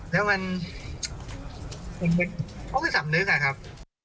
แล้วมันเขาคือสำนึกอะครับ